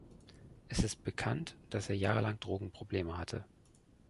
Es ist bekannt, dass er jahrelang Drogenprobleme hatte.